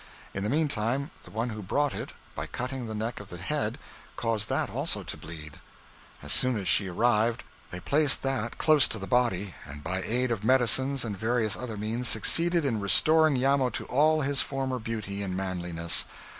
In the meantime, the one who brought it, by cutting the neck of the head, caused that also to bleed. As soon as she arrived, they placed that close to the body, and, by aid of medicines and various other means, succeeded in restoring Iamo to all his former beauty and manliness.